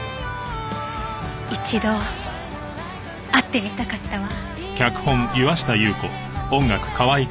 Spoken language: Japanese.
一度会ってみたかったわ。